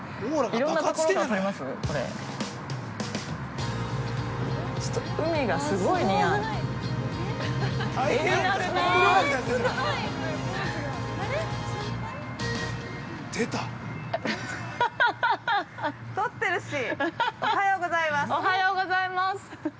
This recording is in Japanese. ◆おはようございます。